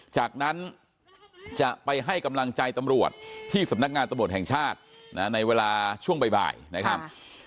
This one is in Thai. จากนั้นจะไปให้กำลังใจตำรวจที่สำนักงานตำรวจแห่งชาติในเวลาช่วงบ่ายนะครับ